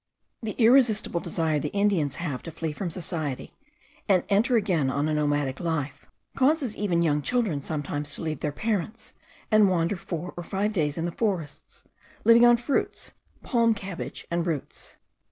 The irresistible desire the Indians have to flee from society, and enter again on a nomad life, causes even young children sometimes to leave their parents, and wander four or five days in the forests, living on fruits, palm cabbage, and roots.